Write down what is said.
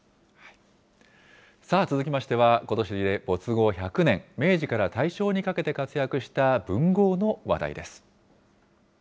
続きましては、ことしで没後１００年、明治から大正にかけて活躍した文豪の話題です。